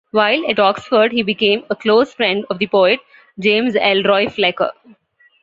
While at Oxford he became a close friend of the poet James Elroy Flecker.